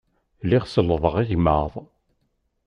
Lliɣ sellḍeɣ igmaḍ.